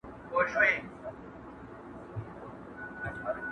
کلي ته ولاړم هر يو يار راڅخه مخ واړوئ،